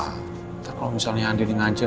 ntar kalau misalnya andien ngajar